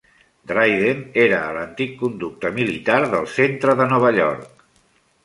Dryden era a l'antic conducte militar del centre de Nova York.